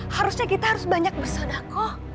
harusnya kita harus banyak bersodakoh